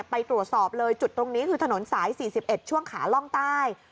ไปตรวจสอบเลยจุดตรงนี้คือถนนสาย๔๑ช่วงขาล่องใต้